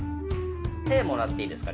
手をもらっていいですか？